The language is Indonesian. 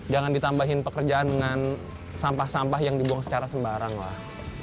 jangan ditambahin pekerjaan dengan sampah sampah yang dibuang secara sembarang lah